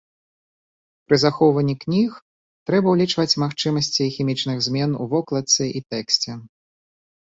Пры захоўванні кніг трэба ўлічваць магчымасць хімічных змен у вокладцы і тэксце.